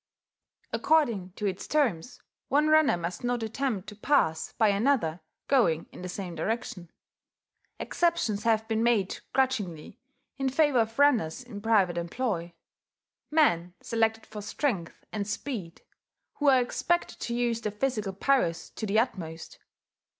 According to its terms, one runner must not attempt to pass by another going in the same direction. Exceptions have been made, grudgingly, in favour of runners in private employ, men selected for strength and speed, who are expected to use their physical powers to the utmost.